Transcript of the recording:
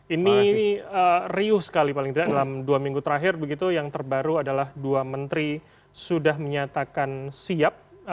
ini riuh sekali paling tidak dalam dua minggu terakhir begitu yang terbaru adalah dua menteri sudah menyatakan siap